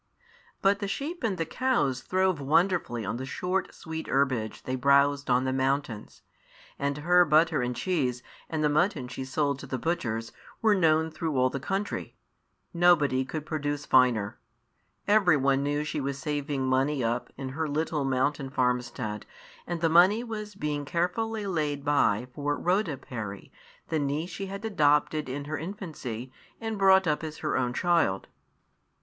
But the sheep and the cows throve wonderfully on the short, sweet herbage they browsed on the mountains; and her butter and cheese, and the mutton she sold to the butchers, were known through all the country. Nobody could produce finer. Every one knew she was saving money up in her little mountain farmstead, and the money was being carefully laid by for Rhoda Parry, the niece she had adopted in her infancy and brought up as her own child.